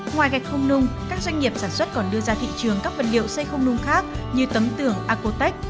ngoài gạch không nung các doanh nghiệp sản xuất còn đưa ra thị trường các vật liệu xây không nung khác như tấm tường acotech